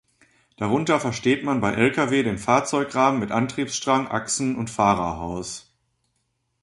Darunter versteht man bei Lkw den Fahrzeugrahmen mit Antriebsstrang, Achsen und Fahrerhaus.